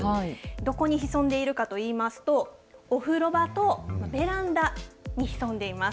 どこに潜んでいるかといいますと、お風呂場とベランダに潜んでいます。